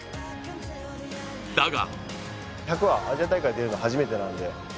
だが。